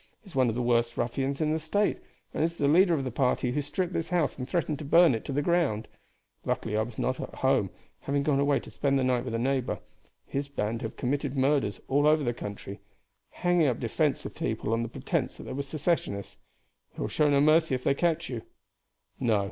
He is one of the worst ruffians in the State, and is the leader of the party who stripped this house and threatened to burn it to the ground. Luckily I was not at home, having gone away to spend the night with a neighbor. His band have committed murders all over the country, hanging up defenseless people on pretense that they were Secessionists. They will show you no mercy if they catch you." "No.